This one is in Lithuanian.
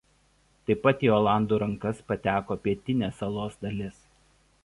Taip į olandų rankas pateko pietinė salos dalis.